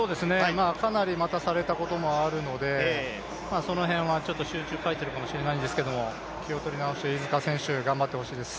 かなり待たされたこともあるので、その辺は集中欠いているかもしれないんですけれども、気を取り直して飯塚選手、頑張ってほしいです。